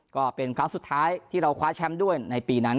ก็เป็นครั้งสุดท้ายที่เราคว้าแชมป์ด้วยในปีนั้น